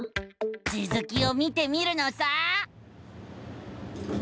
つづきを見てみるのさ！